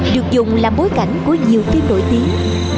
được dùng là bối cảnh của nhiều phim nổi tiếng